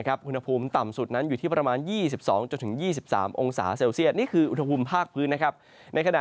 ลูกมนภูมิต่ำสุดอยู่ที่ประมาณ๒๒๒๓องศาเซลเซียดนี้คือวันน้ำภูมิภาคฟื้น